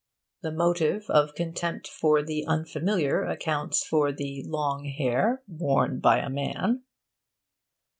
The motive of contempt for the unfamiliar accounts for long hair (worn by a man).